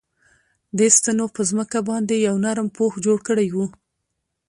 دې ستنو په ځمکه باندې یو نرم پوښ جوړ کړی و